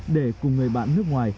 để cùng người bạn nước ngoài